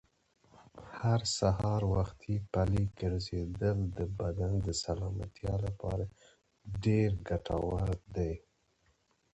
هر سهار وختي پلي ګرځېدل د بدن د سلامتیا لپاره ډېر ګټور دي.